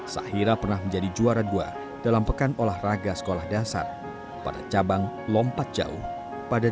sahira pernah menjadi juara dua dalam pekan olahraga sekolah dasar pada cabang lompat jauh pada dua ribu dua puluh